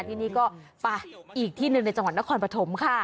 ที่นี่ก็ไปอีกที่หนึ่งในจังหวัดนครปฐมค่ะ